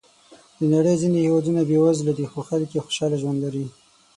د نړۍ ځینې هېوادونه بېوزله دي، خو خلک یې خوشحاله ژوند لري.